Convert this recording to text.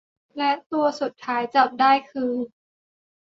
และตัวสุดท้ายจับได้คือ